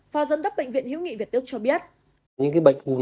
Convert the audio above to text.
và giám đốc bệnh viện hiếu nghị việt tước cho biết